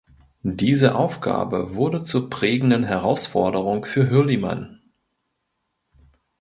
Diese Aufgabe wurde zur prägenden Herausforderung für Hürlimann.